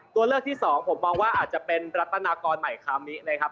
ตัวเลือกที่สองผมมองว่าอาจจะเป็นรัตนากรใหม่คามินะครับ